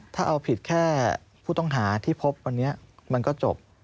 ถ้าเอาผิดแค่ผู้ต้องหาที่พบวันนี้มันก็จบ